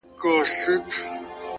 سم پسرلى ترې جوړ سي،